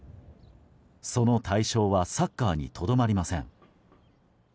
その対象はサッカーにとどまりません。